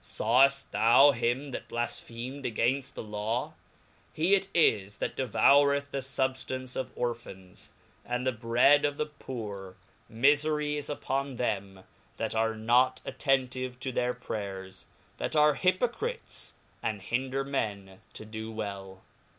Sawell: thou hi m that blafphemcd againft the Law ? He it is that de voureth the fubftance of Orphans, and the bread of the poor : Mifery is upon them that are not attentive to their prayers, that arc hypocrites, sind hinder men to do well.